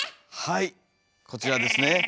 はいこちらですね。